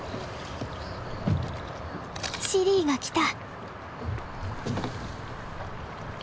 シリーが来た。